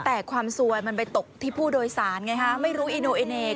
แต่ความซวยมันไปตกที่ผู้โดยสารไงฮะไม่รู้อีโนอิเนก